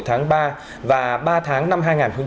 tháng ba và ba tháng năm